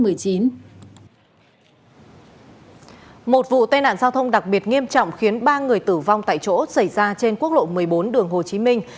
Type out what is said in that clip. một vụ tai nạn giao thông đặc biệt nghiêm trọng khiến ba người tử vong tại chỗ xảy ra trên quốc lộ một mươi bốn đường hồ chí minh